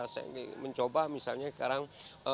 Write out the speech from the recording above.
saya mencoba misalnya sekarang